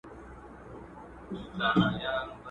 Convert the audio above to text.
اوس يې نه راوړي رويبار د ديدن زېرئ.!